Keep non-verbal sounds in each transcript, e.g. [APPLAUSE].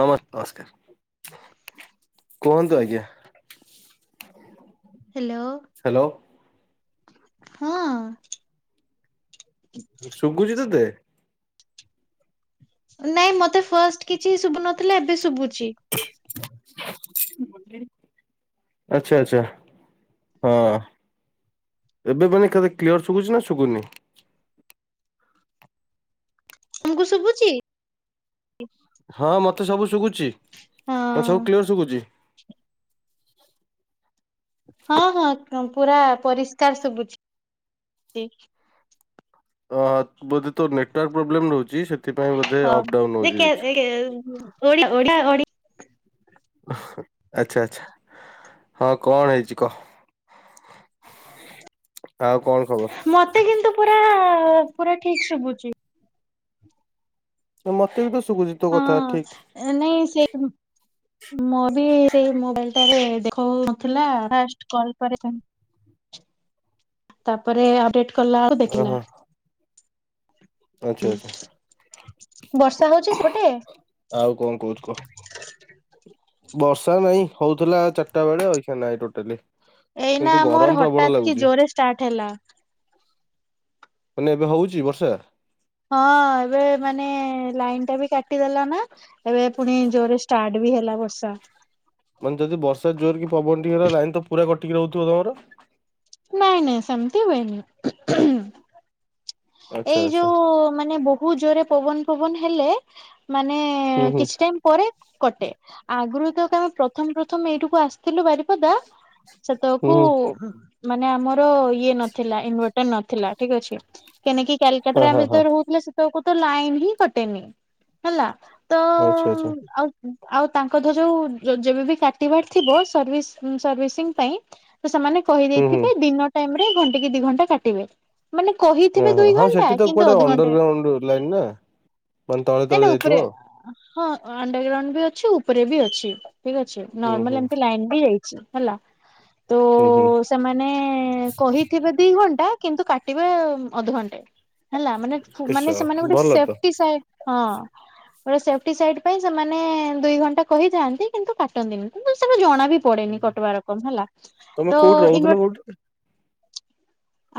ନମ ନମସ୍କାର କୁହନ୍ତୁ ଆଜ୍ଞା। ହ ହ୍ୟାଲୋ ହଁ। ଶୁବୁଚି ତତେ? ନାଇଁ ମତେ ଫାଷ୍ଟ କିଛି ଶୁବୁ ନଥିଲା ଏବେ ଶୁବୁଚି। ଆଚ୍ଛା ଆଚ୍ଛା ହଁ। ଏବେ ମାନେ କେତେ କ୍ଲିଅର ଶୁବୁଚି ନା ଶୁବୁନି? ତମକୁ ଶୁବୁଚି? ହଁ ମତେ ସବୁ ଶୁବୁଚି ହଁ ସବୁ କ୍ଲିୟର ଶୁବୁଚି। ହଁ ହଁ ପୁରା ପରିଷ୍କାର ଶୁବୁଚି। ଠିକ ଅ ବୋଧେ ତ ନେଟୱାର୍କ ପ୍ରୋବ୍ଲେମ୍ ରହୁଚି। ହଁ ଯେ କେ [UNINTELLIGIBLE] ଓଡ଼ିଆ ଓଡ଼ିଆ ଓଡ଼ି ଆଚ୍ଛା ଆଚ୍ଛା ହଁ କଣ ହେଇଚି କହ। [UNINTELLIGIBLE] ଆଉ କଣ ଖବର? ମତେ [UNINTELLIGIBLE] ପୁରା ଠିକ୍ ଶୁବୁଚି। ମତେ ବି ତ ଶୁବୁଚି ତୋ କଥା ଠିକ୍। ହଁ। ମୁଁ ବି ସେଇ ମୋବାଇଲଟାରେ ଦେଖନଥିଲା ପରେ ତାପରେ ଅପଡେଟ କଲାଆଳୁ ଦେଖେଇଲା। ଓହୋ ଆଚ୍ଛା ଆଚ୍ଛା। ବର୍ଷା ହୋଉଛି ସେ ପଟେ? ଆଉ କଣ କହୁଛୁ କହ? ବର୍ଷା ନାଇଁ ହଉଥିଲା ଚାରିଟା ବେଳେ ଅଇଖା ନାହିଁ ଟୋଟାଲି। ଏଇନା କିନ୍ତୁ ଗରମ ଆମର ପ୍ରବଳ ହଠାତ କି ଲାଗୁଛି ଜୋରେ ଷ୍ଟାର୍ଟ ହେଲା। ମାନେ ଏବେ ହଉଛି ବର୍ଷା? ହଁ ଏବେ ମାନେ ଲାଇନ ଟା ବି କାଟିଦେଲା ନା ଏବେ ପୁଣି ଜୋରରେ ଷ୍ଟାର୍ଟ ବି ହେଲା ବର୍ଷା। ମାନେ ଯଦି ବର୍ଷା ଜୋର କି ପବନ ଟିକେ ହେଲା ଲାଇନ ତ ପୁରା କଟିକି ରହୁଥିବ ତମର। ନାଇଁ ନାଇଁ ସେମତି ହୁଏନି। ଆଚ୍ଛା ଏଇ ଆଚ୍ଛା ଯୋଉ ମାନେ ବହୁ ଜୋରେ ପବନ ଫବନ ହେଲେ ମାନେ ହୁଁ ହୁଁ କିଛି ଟାଇମ ପରେ କଟେ ଆଗରୁ ତକ ଆମେ ପ୍ରଥମ ପ୍ରଥମ ଏଇଠିକୁ ଆସି ଥିଲୁ ବାରିପଦା ହୁଁ ସେତେବେଳକୁ ହୁଁ ମାନେ ଆମର ଇଏ ନଥିଲା ଇନଭଟର ନଥିଲା ଠିକ ଅଛି। କେନେକି କାଲକଟାରେ ହଁ ଆମେ ହଁ ହଁ ଯେତେବେଳେ ରହୁଥିଲେ ସେତବେଳକୁ ତ ଲାଇନ ହିଁ କଟେନି ହେଲା। ତ ଆଚ୍ଛା ଆଚ୍ଛା ଆଉ ଆଉ ତାଙ୍କ ଧର ଯୋଉ ଯ ଯେବେବି କାଟିବାର ଥିବ ସ ସର୍ଭିସ୍ ସର୍ଭିସିଂ ପାଇଁ ସେମାନେ ହୁଁ ହୁଁ। କହିଦେଇଥିବେ ଦିନ ଟାଇମରେ ଘଣ୍ଟା କି ଦି ଘଣ୍ଟା କାଟିବେ ମାନେ କହି ଥିବେ ଓହୋ ହଁ ଦୁଇ ହଁ ଘଣ୍ଟା ସେଠି ତ କିନ୍ତୁ କୁଆଡେ ଅଧଘଣ୍ଟା ଅଣ୍ଡରଗ୍ରାଉଣ୍ଡ ଲାଇନ ନା ମାନେ ତଳେ ନାଇଁ ତଳେ ନାଇ ଯାଇଥିବ। ଉପରେ? ହଁ ଅଣ୍ଡର ଗ୍ରାଉଣ୍ଡ ବି ଅଛି ଉପରେ ବି ଅଛି ଠିକ ଅଛି ହୁଁ ନର୍ମାଲ ହୁଁ ଏମିତି ଲାଇନ ବି ଯାଇଛି ହେଲା ତ ହୁଁ ହୁଁ ସେମାନେ କହିଥିବେ ଦି ଘଣ୍ଟା କିନ୍ତୁ କାଟିବା ଅଧଘଣ୍ଟେ ହେଲା ମାନେ ମାନେ ନିଶ୍ଚୟ ସେମାନେ ଗୋଟେ ଭଲ ତ। ସେଫ୍ଟି ହଁ। ଗୋଟ ସେଫ୍ଟି ସାଇଟ ପାଇଁ ସେମାନେ ଦୁଇ ଘଣ୍ଟା କହିଥାନ୍ତି କିନ୍ତୁ କାଟନ୍ତିନି କିନ୍ତୁ ସେଟ ଜଣା ବି ପଡେନି କଟବା ରକମ ହେଲା ତମେ ତ କୋଉଠି ରହୁଥିଲ ଇନ୍ଭ କୋଉଠି?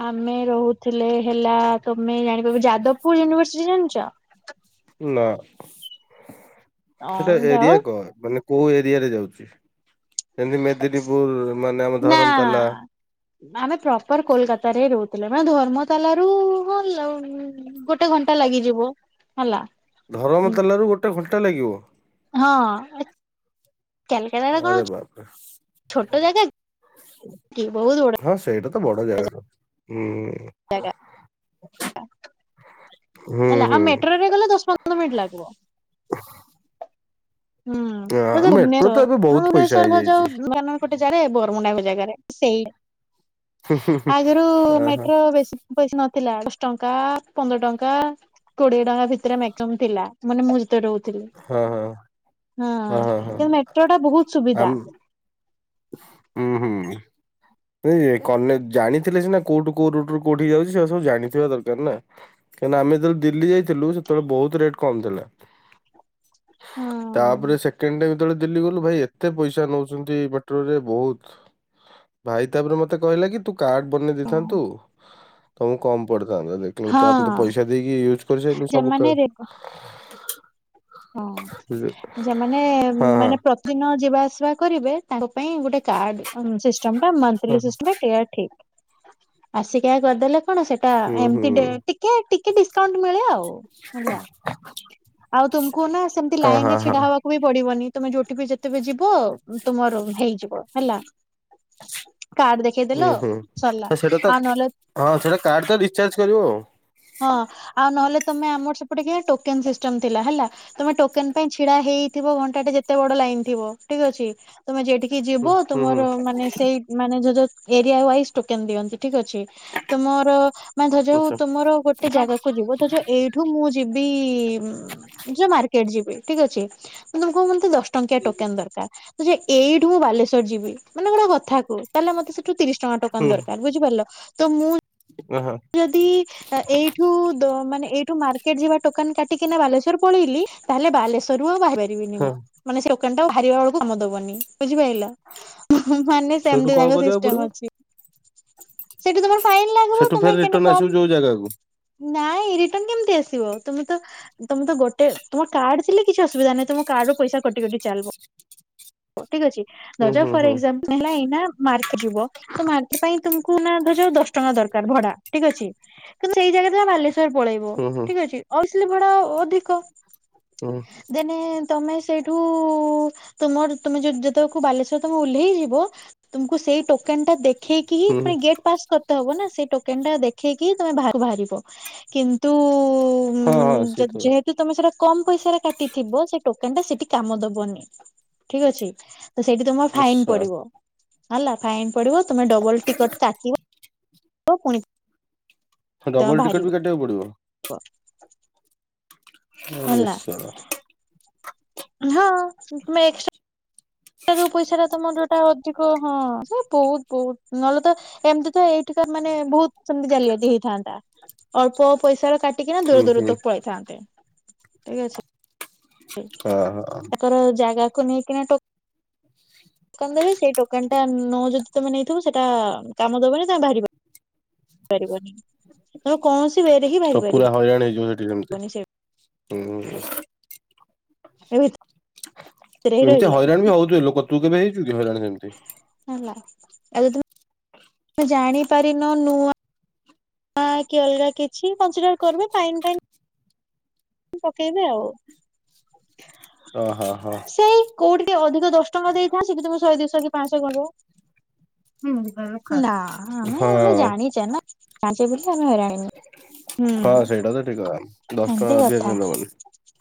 ଆମେ ରହୁଥିଲେ ହେଲା ତମେ ଜାଣିପାରିବ ଯାଦବପୁର ୟୁନିଭରସିଟି ଜାଣିଛ? ନା ସେଟା ହଁ ଯାଅ ଏରିଆ କ ମାନେ କୋଉ ଏରିଆରେ ଯାଉଛି ଯେମିତି ମେଦିନୀପୁର ମାନେ ଆମ ନା ଧରମତାଲା ଆମେ ପ୍ରପର କୋଲକାତାରେ ହ ରହୁଥିଲୁ। ମାନେ ଧର୍ମତାଲ ରୁ ଗୋଟେ ଘଣ୍ଟା ଲାଗିଯିବ ହେଲା ଧରମତାଲା ରୁ ଗୋଟେ ଘଣ୍ଟା ଲାଗିବ? ହଁ। କାଲକାଟା ଟା କଣ ଆରେ ବାପରେ ଛୋଟ ଜାଗା କି ବହୁତ ବଡ। ହଁ ସେଇଟା ତ ବଡ ଜାଗା ଟା ହୁଁ। ଜାଗା [UNINTELLIGIBLE] ହେଲା ଆଉ ହୁଁ ମେଟ୍ରୋ ରେ ଗଲେ ଦଶ ପନ୍ଦର ମିନିଟ୍ ଲାଗିବ। ହ? ହୁଁ ଏ ତ ଭୁବନେଶ୍ଵର ଏବେ ବହୁତ ପଇସା ଭୁବନେଶ୍ଵର ଯଉ ହେଇଯାଇଛି। [UNINTELLIGIBLE] ମାନ ଗୋଟେ ଯାରେ ବ [UNINTELLIGIBLE] ଜାଗାରେ ହୁଁ ଆଗରୁ ହୁଁ ହୁଁ ମେଟ୍ରୋ ବେଶି ପଇସା ନ ଥିଲା ଦଶ ଟଙ୍କା, ପନ୍ଦର ଟଙ୍କା କୋଡିଏ, ଟଙ୍କା ଭିତରେ ମକ୍ସିମମ୍ ଥିଲା ମାନେ ମୁଁ ତେ ରହୁଥିଲେ ଆ ହଁ ହଁ ହଁ ହଁ କିନ୍ତୁ ମେଟ୍ରୋ ଟା ବହୁତ ସୁବିଧା। ଆମ୍ ହୁଁ ହୁଁ ହୁଁ। ନାଇଯେ କନେ ଜାଣିଥିଲେ ସିନା କୋଉଠୁ କୋଉ ରୁଟୁରୁ କୋଉଠିକି ଯାଉଛି ସେରା ସବୁ ଜାଣିଥିବା ଦରକାର ନା। କାହିଁକିନା ଆମେ ଯେତେବେଳେ ଦିଲ୍ଲୀ ଯାଇଥିଲୁ ସେତେବେଳେ ବହୁତ ରେଟ କମ ଥିଲା। ହଁ ତାପରେ ସେକେଣ୍ଡ ଟାଇମ୍ ଯେତେବେଳେ ଦିଲ୍ଲୀ ଗଲୁ ଭାଇ ଏତେ ପଇସା ନଉଚନ୍ତି। ବା ଟ ରେ ବୋହୁତ ଭାଇ ତାପରେ ମତେ କହିଲା କି ତୁ କାର୍ଡ ବନେଇ ଦେଇଥାନ୍ତୁ ତମକୁ କମ୍ ପଡି ଥାନ୍ତା ଦେଖିଲୁ ହଁ। ତା ପରେ ତ ପଇସା ଦେଇକି ୟୁଜ କରିସାରିଲୁ ସବୁକ ସେମାନେ ରେ ହଁ ଯେମାନେ ହଁ ମାନେ ପ୍ରତିଦିନ ଯିବା ଆସିବା କରିବେ ତା ପାଇଁ ଗୋଟେ କାର୍ଡ ଉମ୍ ସିଷ୍ଟମ୍ ଟା ମନଥିଲି ହଁ, ସିଷ୍ଟମ୍ ଟା ଟେୟାର ଠିକ୍। ଆସିକିୟା କରିଦେଲେ। କଣ ସେଟା ହୁଁ ହୁଁ ଏମତି ଡେ ଟିକେ ଟିକେ ଡିସକାଉଣ୍ଟ ମିଳେ ଆଉ ହେଲା। ଆଉ ତୁମ୍ କୁ ନା ସେମିତି ହଁ ଲାଇନ ହଁ ରେ ହଁ। ଛିଡା ହବାକୁ ବି ପଡିବନି ତମେ ଯୋଉଠି ବି ଯେତେବେ ଯିବ ତୁମର ହେଇଯିବ। ହେଲା। କାର୍ଡ ହୁଁ ଦେଖେଇଦେଲ ହୁଁ ସରିଲା ସେଟା ତ ଆଉ ନହେଲେ ହଁ ସେଟା କାର୍ଡ ତ ରଡିଚାର୍ଜ କରିବ ଆଉ। ହଁ ଆଉ ନହେଲେ ତମେ ଆମର ସେପଟେ କିଆଁ ଟୋକେନ୍ ସିଷ୍ଟମ ଥିଲା ହେଲା ତମେ ଟୋକେନ ପାଇଁ ଛିଡା ହେଇଥିବ ଘଣ୍ଟା ଟେ ଯେତେ ବଡ ଲା ଇନ୍ ଥିବ ଠିକ ଅଛି ତମେ ଜେଇଠି କି ହୁଁ ଯିବୁ ହୁଁ ହୁଁ ତୁମର ମାନେ ସେଇ ମାନେ ଯେ ଯଉ ଏରିଆ ୱାଇଜ ଟୋକେନ ଦିଅନ୍ତି। ଠିକ ଅଛି ତୁମର ମାନେ ଧରା ଯାଉ ଆଚ୍ଛା ତୁମର ଗୋଟେ ଜାଗାକୁ ଯିବ ତ ଯୋଉ ଏଇଠୁ ମୁଁ ଯି ବି ଜ ମାର୍କେଟ ଯିବି ଠିକ ଅଛି ତମକୁ ମୁଁ ଏମିତି ଦ ଟଙ୍କିଆ ହୁଁ ଟୋକେନ ଦରକାର ତ ଯେ ଏଇଠୁ ମୁଁ ବାଲେଶ୍ୱର ଯିବି ମାନେ କଣ କଥା କୁ ତାହଲେ ମତେ ସେଠୁ ତିରିଶ ଟଙ୍କା ଟୋକନ ଦରକାର ବୁଝିପାରିଲ ତ ମୁଁ ହଁ ଯଦି ଏ ଏଇଠୁ ଦ ମାନେ ଏଇଠୁ ମାର୍କେଟ ଯିବା ଟୋକନ କାଟିକିନା ବାଲେଶ୍ୱର ପଳେଇଲି ତାହେଲେ ବାଲେଶ୍ୱରରୁ ଆଉ ବାହା ପାରିବିନି ହଁ ମୁଁ ମାନେ ସେ ଟୋକେନ୍ ଟା ଆଉ ହାରିବା ବେଳକୁ କାମ ଦବନି ବୁଝିପାଇଲ। ହୁଁ ହୁଁ ମାନେ ସେଇଠୁ ସେମିତି କଣ ତାଙ୍କ କରିବାକୁ ପଡିବ? ସିଷ୍ଟମ ଅଛି ସେଠୁ ତମର ଫାଇନ୍ ସେଠୁ ଫେର ରିଟର୍ଣ୍ଣ ଆସିବୁ ଯୋଉ ଜାଗାକୁ ନାଇଁ ରିଟର୍ଣ୍ଣ କେମିତି ଆସିବ ତମୁକୁ ତ ତମୁକୁ ତ ଗୋଟେ ତମ କାର୍ଡ ଥିଲେ କିଛି ଅସୁବିଧା ନାହିଁ ତମ କା [UNINTELLIGIBLE] ପଇସା କଟି କଟି ଚାଲବ। ଠିକ୍ ଅଛି ହୁଁ [UNINTELLIGIBLE] ହୁଁ ଫର ହୁଁ ଏଗଜାମ୍ ହେଲା ଏଇନା ମାର୍କେଟ ଯିବ ତ ମାର୍କେଟ ପାଇଁ ତୁମକୁ ନା ଧ ଯାଉ ଦଶ ଟଙ୍କା ଦ ତାର ଭଡା ଠିକ୍ ଅଛି କିନ୍ତୁ ସେଇ ଜାଗାରେ ତମେ ବାଲେଶ୍ଵର ପଳେଇବ ହୁଁ ହୁଁ ଠିକ ଅଛି। ଥିଲେ ଭଡା ଅଧିକ। ହଁ। ଦେନେ ତମେ ସେଇଠୁ ତମର ତୁମେ ଯେତବେଳ କୁ ବାଲେଶ୍ୱର ତମେ ଓହ୍ଲେଇ ଯିବ ତୁମକୁ ସେ ସେଇ ଟୋକେନ ଟା ଦେଖେଇକି ହି ତା ପରେ ହୁଁ ଗେଟ୍ ପାସ୍ କରିତେ ହବ ନା ସେଇ କୋନ୍ ଟା ଦେଖେଇକି ତମେ ବାହାରୁକୁ ବାହାରିବ କିନ୍ତୁ ଉ ହଁ ଉଁ ହଁ ସେ ତ ଯେ-ଯେହେତୁ ତମେ ସେଟା କମ୍ ପଇସାରେ କାଟିଥିବ ସେ ଟୋକେନ୍ ଟା ସେଠି କାମ ଦବନି ଠିକ ଅଛି। ତ ସେଇଠି ତମର ଫାଇନ ନିଶ୍ଚୟ। ପଡିବ ହେଲା ଫାଇନ ପଡିବ ତମେ ଡବଲ ଟିକଟ କାଟିବ। ବ ପୁଣି ତମେ ଡବଲ ଟିକଟ ବାହାରିବ ବି କାଟିବାକୁ ପଡିବ? ହେଲା [UNINTELLIGIBLE] ହଁ ତୁମେ ଏମ୍ସଟ୍ରା ପଇସା ଟା ତମର ଟା ଅଧିକ ହଁ ହେ ବହୁତ ବହୁତ ନହେଲେ ତ ଏମିତି ତ ଏଇଠିକା ମାନେ ବହୁତ ସେମତି ଜାଲି ଯଦି ହେଇଥାନ୍ତା ଅଳ୍ପ ପଇସା କା ଟିକିନା ହୁଁ ଦୂର ଦୂର ହୁଁ ତକୁ ପଳେଇଥାନ୍ତେ ଠିକ ଅଛି। ହଁ ହଁ। ତାପର ଜାଗାକୁ ନେଇକିନା ଟୋ ଟୋକନ ଦେବେ ସେଇ ଟୋକେନଟା ନ ଯଦି ତମେ ନେଇଥିବ ସେଇଟା କାମ ଦବନି ତମେ ବାହାରିବ। ପାରିବନି ତମେ କୌଣସି ୱେରେ ହିଁ ତ ବାହାରି ପୁରା ହଇରାଣ ହେଇଯିବ ସେଠି ସେମିତି ପାରିବ ନି ସେ ହୁଁ। [UNINTELLIGIBLE] ହିଁ ଏମିତି ରହିଲ। ହଇରାଣ ବି ହଉଥିବେ ଲୋକ ତୁ କେବେ ହେଇଛୁ ହଇରାଣ ସେମିତି। ଆ ତମେେ ଜାଣିପାରିନ ନୂଆ ହଁ କି ଅଲଗା କିଛି କନସିଡାର କରିବ ଫାଇନ ଫାଇନ ପକେଇବେ ଆଉ। ଓ ହଃ ହଃ ଟେ ଅଧିକ ଦଶ ଟଙ୍କା ଦେଇଥାନ୍ତି କିନ୍ତୁ ତମେ ଶହେ ଦୁଇଶହ କି ପାଞ୍ଚଶହ କରିବ। ନା ଆମେ ଆମେ ହଁ ଜାଣିଛେ ନା ଣି ହୁଁ ହଁ ସେଇଟା ତ ଠିକ କଥା ଦଶ ଏନ୍ତି କଥା [INAUDIBLE] [INAUDIBLE]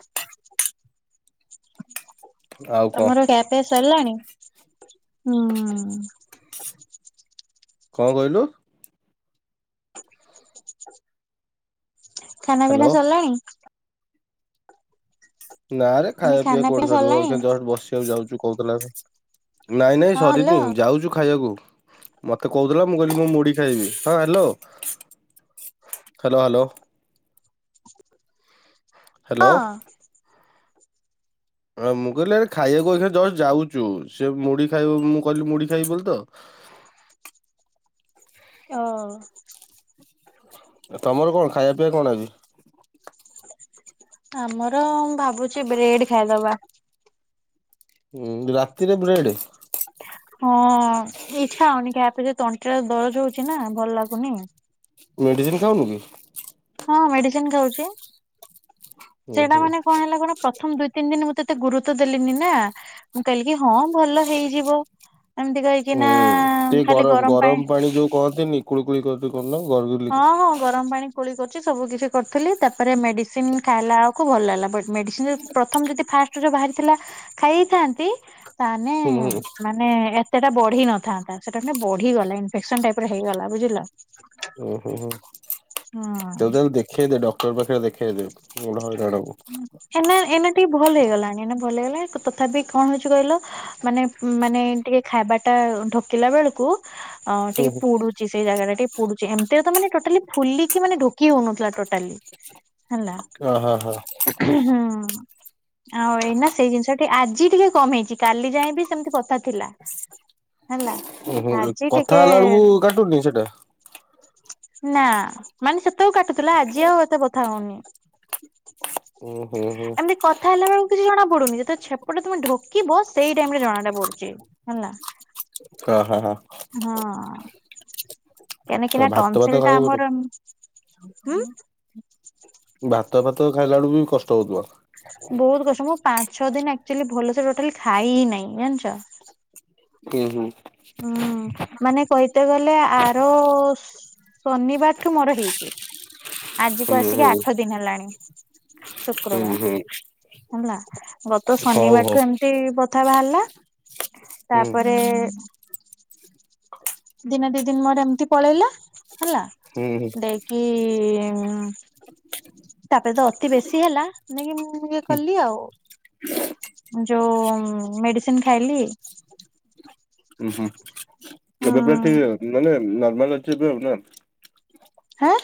ଆଉ କଣ ତମର ଖିଆପିଆ ସରିଲାଣି? ହୁଁ। କଣ କହିଲୁ? ଖାନା ହ୍ୟାଲୋ ପିନା ସରିଲାଣି? ନା ରେ ମାନେ ଖାଇବା ପିଇବା ଖାନା ପିନା କୋଉଠି ଧରିବ ସରିଲାଣି ଏକ୍ଷିଣା ଜଷ୍ଟ ବସିବାକୁ ଯାଉଛୁ କହୁଥିଲା। ନାଇଁ ନାଇଁ ହଁ ସରିନି ହ୍ୟାଲୋ ଯାଉଛୁ ଖାଇବାକୁ ମତେ କହୁଥିଲା ମୁଁ କହିଲି ମୁ ମୁଢି ଖାଇବି ହଁ ହ୍ୟାଲୋ ହ୍ୟାଲୋ ହ୍ୟାଲୋ ହଁ ହ୍ୟାଲୋ ହଁ ମୁଁ କହିଲି ଆରେ ଖାଇବାକୁ ଏଇକ୍ଷିଣା ଜଷ୍ଟ ଯାଉଛୁ ସେ ମୁଢି ଖାଇବ ମୁଁ କହିଲି ମୁଢି ଖାଇବି ବୋଲି ତ [INAUDIBLE] ଓ ତମର କଣ ଖାଇବା ପିଇବା କଣ ଆଜି? ଆମର ଭାବୁଛି ବ୍ରେଡ ଖାଇଦବା। ଉ ରାତିରେ ବ୍ରେଡ୍? ହଁ ଇଚ୍ଛା ହଉନି ଖାଇବା ପାଇଁ ଯ ତଣ୍ଟି ଦରଜ ହଉଛି ନା ଭଲ ଲାଗୁନି। ମେଡ଼ିସିନ ଖାଉନୁ କି? ହଁ ମେଡିସିନ ଖାଉଛି, ଉଁ ସେଇଟା ହୁଁ ମାନେ କଣ ହେଲା କହିଲୁ ପ୍ରଥମ ଦୁଇ ତିନ ଦିନ ମୁଁ ତତେ ଗୁରୁତ୍ୱ ଦେଲିନି ନା ମୁଁ କହିଲି କି ହଁ ଭଲ ହେଇଯିବ। ଏମିତି କହିକି ହୁଁ ନା ଟିକେ ଗରମ ଗରମ ପାଣି ଯୋଉ କହନ୍ତିନି କୁଳିକୁଳି କରନ୍ତି ଗରଗଲି ହଁ ହଁ ଗରମ ପାଣି କୁଳି ସବୁ କିଛି କରିଥିଲି ତାପରେ ମେଡିସିନ ଖାଇଲା ବେଳକୁ ଭଲ ହେଲା ମେଡିସିନ ପ୍ରଥମ ଯଦି ଫାଷ୍ଟରୁ ବାହାରିଥିଲା ଖାଇଥାନ୍ତି ତାନେ ହୁଁ ହୁଁ ମାନେ ସେଇଟା ବଢି ନଥାନ୍ତା ସେଟା ନା ବଢିଗଲା ଇନଫେକ୍ସନ ଟାଇପ ହେଇଗଲା ବୁଝିଲ ଉଁ ଉଁ ହୁଁ ହୋ ହୁଁ। ତୁ ତାହେଲେ ଦେଖେଇ ଦେ ଡକ୍ଟର ପାଖରେ ଦେଖେଇଦେ ବଡ ହଇରାଣ ହବୁ। ଏ ଏନା ଏମିତି। ଭଲ ହେଇଗଲାଣି ଏଇନା ଭଲ ହେଇଗଲା ତଥାପି କଣ ହଉଛି କହିଲ ମାନେ ମାନେ ଟିକେ ଖାଇବାଟା ଢୋକିଲା ବେଳକୁ ଅ ହୁଁ ଟିକେ ହୁଁ ପୁଡୁଛି ସେଇ ଜାଗାଟା ଟିକେ ପୁଡୁଛି ଏମିତିରେ ତ ମାନେ ଟୋଟାଲି ଫୁଲିକି ମାନେ କିଏ ହଉନଥିଲା ଟୋଟାଲି ହେଲା ଅ ହ ହ ହୁଁ ଆଉ ଏଇନା ସେଇ ଜିନିଷ ଆଜି ଟିକେ କମ୍ ହେଇଛି କାଲି ଯାଏଁ ବି ସେମିତି ବଥା ଥିଲା ହେଲା ଉହୁଁ ଆଜି କଥା ଟିକେ ହେଲା ବେଳକୁ କାଟୁନି ସେଟା? ନା ମାନେ ସେତେବେଳୁ କାଟୁଥିଲା ଆଜି ଆଉ ଏତେ ବଥା ହଉନି। ହୁଁ ହୁଁ ହୁଁ ଏମିତି କଥା ହେଲା ବେଳକୁ କିଛି ଜଣା ପଡୁନି ଯେତେବେଳେ ଛେପଟା ତମେ ଢୋକିବ ସେଇ ଟାଇମରେ ଜଣା ଟା ପଡୁଛି ହେଲା ହଁ ହଁ ହଁ ହଁ। ତ କାହିଁକିନା ଭାତ ଭାତ ଟନସେଲ ଟା ଖାଇବାକୁ ପଡେ ଆମର ହୁଁ ଭାତ ଫାତ ଖାଇଲା ବେଳୁ ବି କଷ୍ଟ ହଉଥିବ। ବହୁତ କଷ୍ଟ ମୁଁ ପାଞ୍ଚ ଛଅ ଦିନ ଆକଚୁଆଲି ଭଲସେ ଟୋଟାଲି ଖାଇ ହି ନାହିଁ ଜାଣିଛ। ହୁଁ ହୁଁ ହଁ ମାନେ କହିତେ ଗଲେ ଆର ଶନିବାର ଠୁ ମୋର ହେଇଛି। ଆଜି କୁ ହୁଁ ଆସିକି ହୁଁ ଆଠ ଦିନ ହେଲାଣି ଶୁକ୍ରବାର ହୁଁ ହୁଁ ହେଲା। ଗତ ହଉ ହଉ ଶନିବାରଠୁ ଏମିତି ବଥା ବାହାରିଲା। ହୁଁ ତାପରେ ଦିନେ ଦି ଦିନ ମୋର ଏମିତି ପଳେଇଲା ହେଲା ହୁଁ ହୁଁ ଦେଇକି ଉଁ ତାପରେ ତ ଅତି ବେଶୀ ହେଲା ନାନ କି ମୁଁ ଇଏ କଲି ଆଉ। ଯୋଉ ମେଡିସିନ ଖାଇଲି। ଉଁ ହୁଁ ଏବେ ପା ଟିକ ମାନେ ନର୍ମାଲ ଅଛି ଏବେ ଆଉ ନା। ହାଁ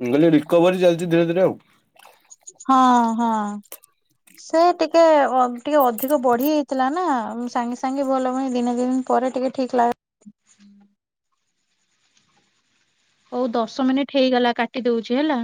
ମୁ କହିଲି ରିକୋଭରି ଚାଲିଛି ଧୀରେ ଧୀରେ ଆଉ। ହଁ ହଁ। ସେ ଟିକେ ଅ ଟିକେ ଅଧିକ ବଢି ହୋଇଥିଲା ନା ସାଙ୍ଗେ ସାଙ୍ଗେ ଭଲ ଭଲ ହେବନି ଦିନେ ଦିନ ପରେ ଟିକେ ଠିକ୍ ଲା ଆ ହଉ ଦଶ ମିନିଟ ହେଇଗଲା କାଟି ଦଉଛି ହେଲା।